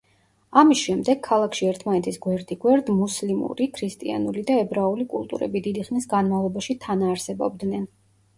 ამის შემდეგ, ქალაქში ერთმანეთის გვერდიგვერდ, მუსლიმური, ქრისტიანული და ებრაული კულტურები დიდი ხნის განმავლობაში თანაარსებობდნენ.